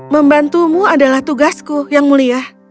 membantumu adalah tugasku yang mulia